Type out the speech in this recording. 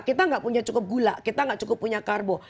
kita nggak punya cukup gula kita nggak cukup punya karbo